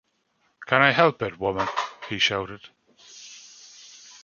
“Can I help it, woman?” he shouted.